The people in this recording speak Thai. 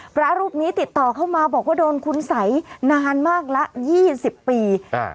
พระรูปนี้ติดต่อเข้ามาบอกว่าโดนคุณสัยนานมากละยี่สิบปีอ่า